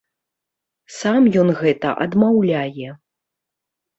Сам ён гэта адмаўляе.